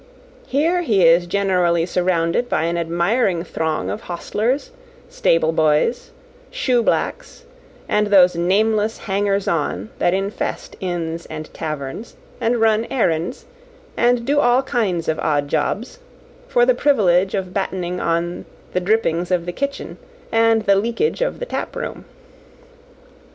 Here he is generally surrounded by an admiring throng of hostlers, stable boys, shoe blacks, and those nameless hangers on that infest inns and taverns, and run errands, and do all kinds of odd jobs, for the privilege of battening on the drippings of the kitchen and the leakage of the tap room.